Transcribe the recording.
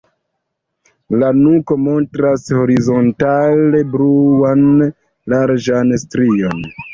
La nuko montras horizontale bluan larĝan strion.